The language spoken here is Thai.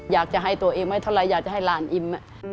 อยากจะให้ตัวเองไว้เท่าไรอยากจะให้หลานอิ่ม